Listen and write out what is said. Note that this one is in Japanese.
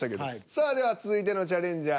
さあでは続いてのチャレンジャー